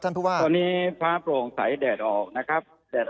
สำหรับนี้ฟ้าโปร่งใสแดดออกนะครับ